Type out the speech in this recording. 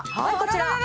はいこちら！